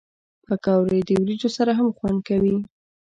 پکورې د وریجو سره هم خوند کوي